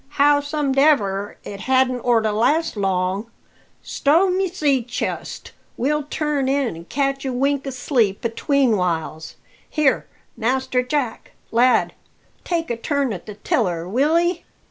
"How somedever, it hadn't orter last long. Stow my sea chest! we'll turn in an' catch a wink o' sleep atween whiles. Here, Master Jack, lad! take a turn at the tiller, will 'ee?"